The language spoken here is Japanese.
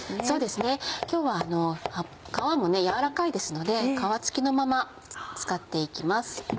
そうですね今日は皮も柔らかいですので皮付きのまま使って行きます。